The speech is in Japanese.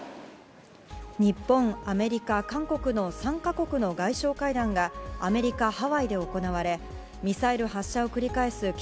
日本、アメリカ、韓国の３か国の外相会談がアメリカ・ハワイで行われミサイル発射を繰り返す